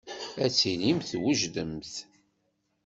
Ad tilimt twejdemt.